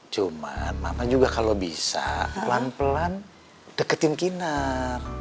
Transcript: cuman mama juga kalo bisa pelan pelan deketin kinar